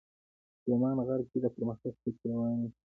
سلیمان غر کې د پرمختګ هڅې روانې دي.